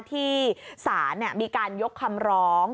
ที่ศาลมีการยกคำร้อง